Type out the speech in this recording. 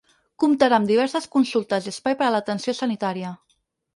Comptarà amb diverses consultes i espai per a l’atenció sanitària.